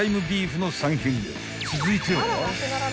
［続いては］